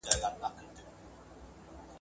زه جنګ کوم که مجبور سم